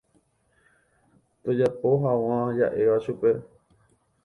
tojapo hag̃ua ja'éva chupe.